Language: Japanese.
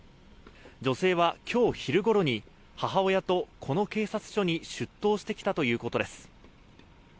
女性は今日昼ごろに母親とこの警察署に出頭してきたということです。